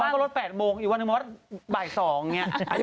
บางวันก็รด๘โมงอีกวันอีกวันบ่าย๒อย่างนี้